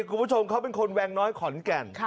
คุณผู้ชมเขาเป็นคนแวงน้อยขอนแก่น